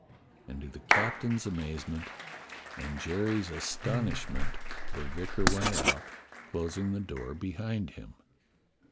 And to the captain's amazement and Jerry's astonishment the vicar went out, closing the door behind him.